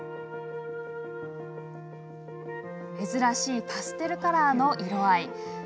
珍しいパステルカラーの色合い。